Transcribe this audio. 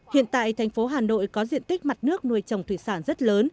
hiện tại thành phố hà nội có diện tích mặt nước nuôi trồng thủy sản rất lớn